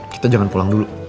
kita jangan pulang dulu